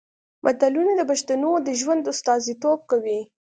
متلونه د پښتنو د ژوند استازیتوب کوي